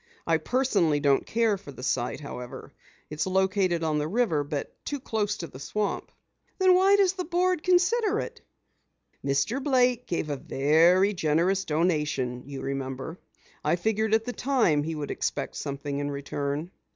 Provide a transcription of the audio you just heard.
I personally don't care for the site, however. It's located on the river, but too close to the swamp." "Then why does the board consider it?" "Mr. Blake gave a very generous donation, you remember. I figured at the time he would expect something in return."